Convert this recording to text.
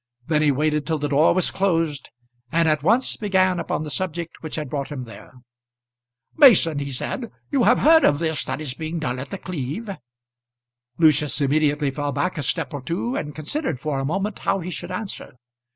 Then he waited till the door was closed, and at once began upon the subject which had brought him there. "Mason," he said, "you have heard of this that is being done at The Cleeve?" Lucius immediately fell back a step or two, and considered for a moment how he should answer.